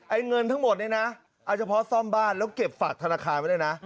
เงินทั้งหมดเนี่ยนะเอาเฉพาะซ่อมบ้านแล้วเก็บฝากธนาคารไว้เลยนะ